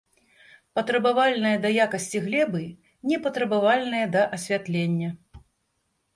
Патрабавальная да якасці глебы, не патрабавальная да асвятлення.